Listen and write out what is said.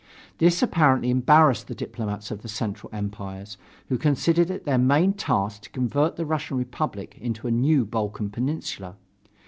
This apparently embarrassed the diplomats of the Central Empires, who considered it their main task to convert the Russian Republic into a new Balkan Peninsula.